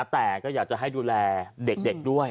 แต่ก็อยากจะให้ดูแลเด็กด้วย